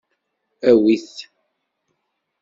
Awit-t.